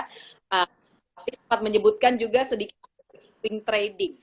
tapi sempat menyebutkan juga sedikit wing trading